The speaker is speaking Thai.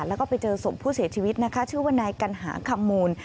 แล้วก็ไปเจอศพผู้เสียชีวิตนะคะชื่อว่านายกัณหาคำมูล